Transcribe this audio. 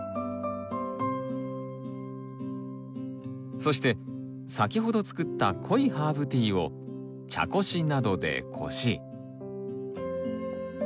そして先ほど作った濃いハーブティーを茶こしなどでこし。